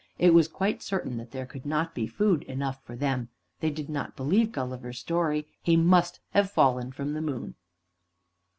It was quite certain that there could not be food enough for them. They did not believe Gulliver's story. He must have fallen from the moon!